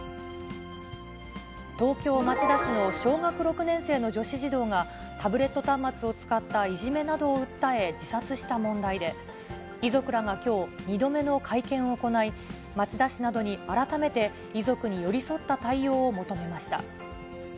東京・町田市の小学６年生の女子児童が、タブレット端末を使ったいじめなどを訴え自殺した問題で、遺族らがきょう、２度目の会見を行い、町田市などに改めて遺族に寄り添った対応を求めました。